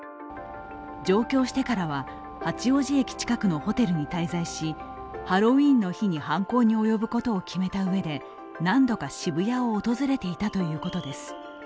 上京してからは、八王子駅近くのホテルに滞在し、ハロウィーンの日に犯行に及ぶことを決めた上で何度か渋谷を訪れていたということです。